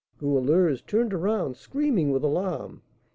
Goualeuse turned around, screaming with alarm.